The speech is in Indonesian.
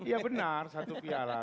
ya benar satu piala